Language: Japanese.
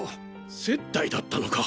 接待だったのか。